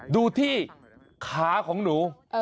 ดูที่ขาของหนู